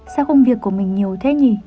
sao công việc của mình nhiều thế